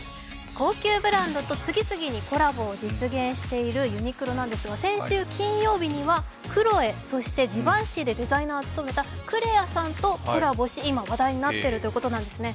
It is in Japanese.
高級ブランドと次々にコラボを実現しているユニクロなんですが、先週金曜日にはクロエ、そしてジバンシィでデザイナーを務めたクレアさんとコラボし、今話題となっているんですね。